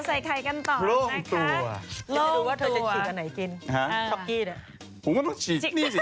อ่ะใส่ไข่กันต่อนะคะลงตัวตัวลงตัวว่าจะขี้ตัวไหนกิน